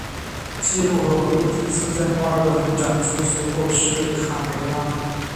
记录和文物第一次在墨尔本展出随后是堪培拉。